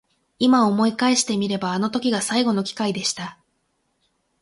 今思い返してみればあの時が最後の機会でした。